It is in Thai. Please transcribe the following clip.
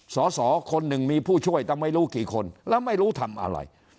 สอสอคนหนึ่งมีผู้ช่วยแต่ไม่รู้กี่คนแล้วไม่รู้ทำอะไร